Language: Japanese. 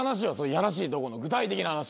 やらしいとこの具体的な話。